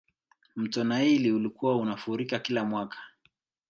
mto naili ulikuwa unafurika kila mwaka